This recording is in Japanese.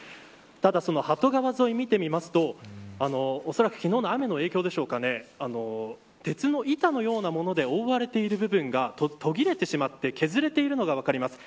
ただその鳩川沿いを見てみるとおそらく昨日の雨の影響でしょうか鉄の板のようなもので覆われている部分が途切れてしまって削れているのが分かります。